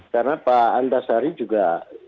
karena pak antarsari juga